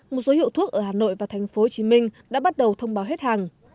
một số hiệu thuốc ở hà nội và tp hcm đã bắt đầu thông báo hết hàng